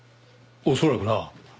恐らくな。